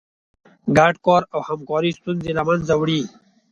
ګډ کار او همکاري ستونزې له منځه وړي.